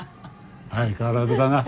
相変わらずだな。